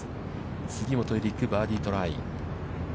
杉本エリック、バーディートライ。